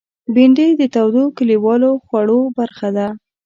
بېنډۍ د تودو کلیوالو خوړو برخه ده